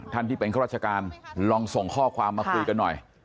ที่เป็นข้าราชการลองส่งข้อความมาคุยกันหน่อย